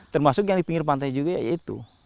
termasuk yang di pinggir pantai juga ya itu